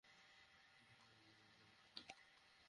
তবে মূল আসামি কাদের খান এবং তাঁর সহকারী মহম্মদ আলী এখনো পলাতক।